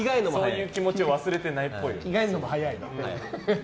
そういう気持ちを忘れてないっぽい。